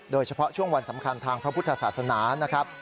โดยเฉพาะช่วงวันสำคัญทางพระพุทธศาสนานะครับ